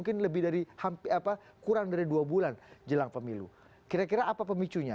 ketika ini kira kira apa pemicunya